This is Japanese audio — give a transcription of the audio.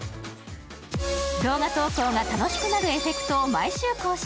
動画投稿が楽しくなるエフェクトを毎週更新。